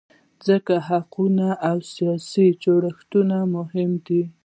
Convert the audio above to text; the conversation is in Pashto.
ځکه حقوقي او سیاسي جوړښتونه مهم دي.